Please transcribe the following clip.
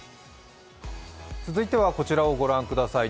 続いてはこちらを御覧ください。